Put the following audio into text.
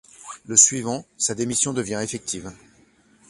Le suivant, sa démission devient effective.